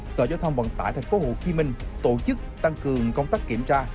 sở giao thông vận tải tp hcm tổ chức tăng cường công tác kiểm tra